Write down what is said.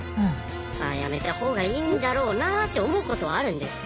ああやめた方がいいんだろうなって思うことはあるんです。